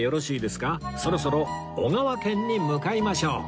そろそろ小川軒に向かいましょう